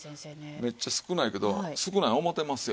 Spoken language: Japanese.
めっちゃ少ないけど少ない思うてますよ